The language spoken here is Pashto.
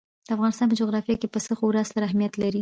د افغانستان په جغرافیه کې پسه خورا ستر اهمیت لري.